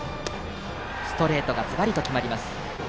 ストレートがズバリと決まります。